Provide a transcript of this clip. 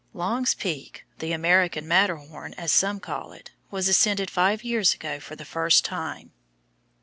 Long's Peak, "the American Matterhorn," as some call it, was ascended five years ago for the first time.